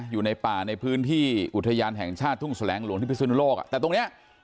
อยู่ในป่าในพื้นที่อุทยานแห่งชาติทุ่งแสลงหลวงที่พิศนุโลกอ่ะแต่ตรงเนี้ย